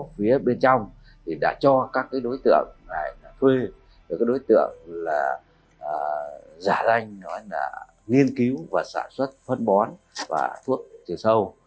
phía bên trong thì đã cho các đối tượng thuê được đối tượng giả danh nghiên cứu và sản xuất phân bón và thuốc chứa sâu